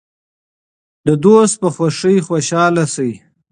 د دوست په خوښۍ خوشحاله شئ.